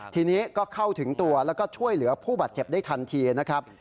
ทีนี้ก็เข้าถึงตัวแล้วก็ช่วยเหลือผู้บาดเจ็บได้ทันทีนะครับ